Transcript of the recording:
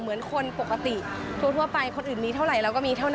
เหมือนคนปกติทั่วไปคนอื่นมีเท่าไหร่เราก็มีเท่านั้น